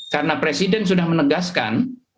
karena presiden sudah menegaskan